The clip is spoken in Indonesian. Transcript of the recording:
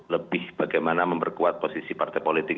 lebih bagaimana memperkuat posisi partai politik